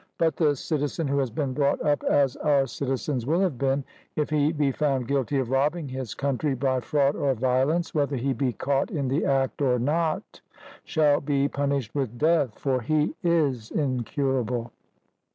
But the citizen who has been brought up as our citizens will have been, if he be found guilty of robbing his country by fraud or violence, whether he be caught in the act or not, shall be punished with death; for he is incurable.